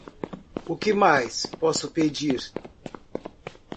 O que mais posso pedir?